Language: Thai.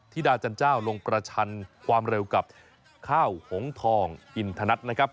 ธิดาจันเจ้าลงประชันความเร็วกับข้าวหงทองอินทนัทนะครับ